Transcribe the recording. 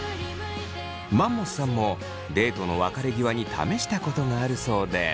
マンモスさんもデートの別れ際に試したことがあるそうで。